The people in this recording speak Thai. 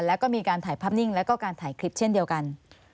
แล้วก็มีการถ่ายภาพนิ่งแล้วก็การถ่ายคลิปเช่นเดียวกัน